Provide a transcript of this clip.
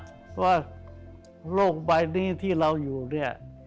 เพราะว่าโรคใบนี้ที่เราอยู่เนี่ย